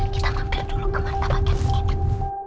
kita mampir dulu ke martabak yang enak